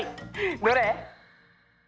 どれ？